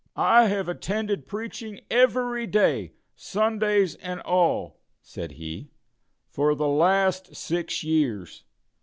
"I have attended preaching every day, Sundays and all," said he, "for the last six years.